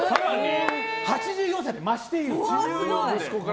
８４歳で増している。